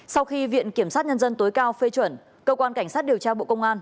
sau khi viện kiểm sát nhân dân tối cao phê chuẩn cơ quan cảnh sát điều tra bộ công an